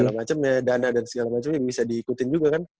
dan segala macamnya dana dan segala macamnya bisa diikutin juga kan